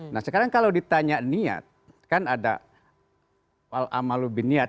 nah sekarang kalau ditanya niat kan ada wal amalu bin niat